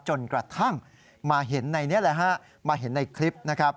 จนกระทั่งมาเห็นในนี้แหละฮะมาเห็นในคลิปนะครับ